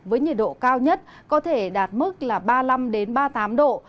với nhiệt độ cao nhất có thể đạt mức là ba mươi năm ba mươi tám độ